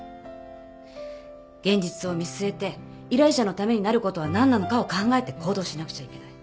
現実を見据えて依頼者のためになることは何なのかを考えて行動しなくちゃいけない。